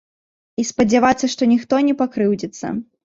І спадзявацца, што ніхто не пакрыўдзіцца.